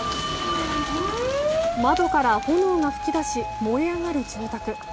窓から炎が噴き出し燃え上がる住宅。